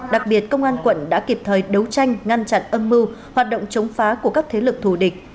đặc biệt công an quận đã kịp thời đấu tranh ngăn chặn âm mưu hoạt động chống phá của các thế lực thù địch